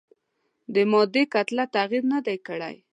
د مادې کتله تغیر نه دی کړی.